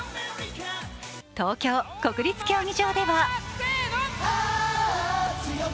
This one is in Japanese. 東京・国立競技場ではＨｅｙ！